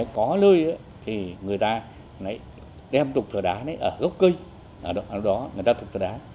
có lơi thì người ta đem tục thở đá ở góc cây ở đó người ta thở đá